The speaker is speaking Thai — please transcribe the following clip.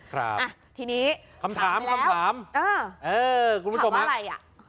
ครับอ่ะทีนี้คำถามคำถามเออเออคุณผู้ชมฮะอะไรอ่ะ